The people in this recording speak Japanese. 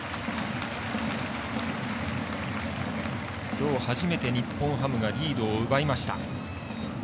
きょう初めて日本ハムがリードを奪いました。